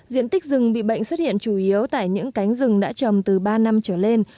diện tích rừng bị bệnh xuất hiện chủ yếu tại những cánh rừng đã trồng từ ba năm trở lên